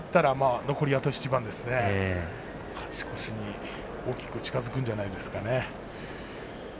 これに勝ったら残れるという一番勝ち越しに大きく近づくんじゃないですかね。